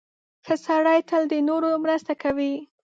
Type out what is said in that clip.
• ښه سړی تل د نورو مرسته کوي.